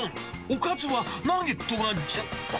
おかずはナゲットが１０個。